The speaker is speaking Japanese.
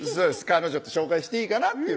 「彼女って紹介していいかな」